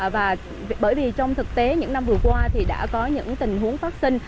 và bởi vì trong thực tế những năm vừa qua thì đã có những tình huống phát sinh